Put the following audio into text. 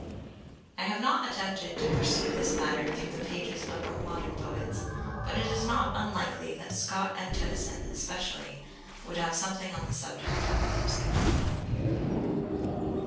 I have not attempted to pursue this matter through the pages of our modern poets, but it is not unlikely that Scott and Tennyson (especially) would have something on the subject of eclipses.